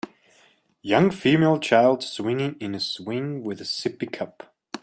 Young female child swinging in a swing with a sippy cup.